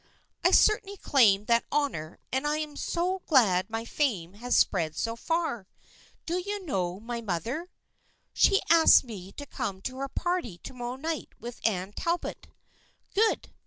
" I certainly claim that honor and I'm so glad my fame has spread so far. Do you know my mother?" " She asked me to come to her party to morrow night with Anne Talbot." " Good